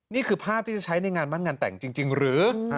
นี่คือภาพที่จะใช้ในงานมั่นงานแต่งจริงหรือ